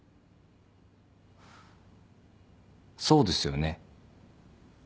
そうですよね？